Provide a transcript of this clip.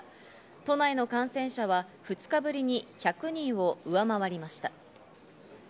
都内の感染者は２日ぶりに１００人を上回りました。